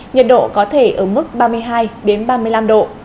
nhiệt độ có thể ở mức ba mươi hai ba mươi năm độ